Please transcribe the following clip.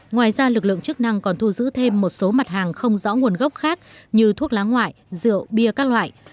ngoài ra lực lượng chức năng còn thu giữ thêm một số mặt hàng không rõ nguồn gốc khác như thuốc lá ngoại rượu bia các loại